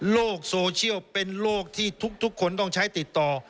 โลกโซเชียลเป็นโลกที่ทุกคนต้องใช้ติดต่อ